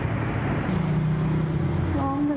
มันนี่เอากุญแจมาล้อมมันนี่อ่ะ